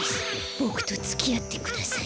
ボクとつきあってください。